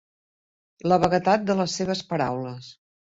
La vaguetat de les seves paraules.